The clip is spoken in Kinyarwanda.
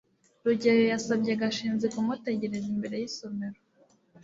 rugeyo yasabye gashinzi kumutegereza imbere y'isomero